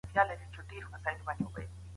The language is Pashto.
د دښمن د کساتونو تاتره شي